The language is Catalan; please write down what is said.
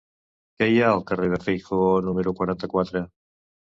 Què hi ha al carrer de Feijoo número quaranta-quatre?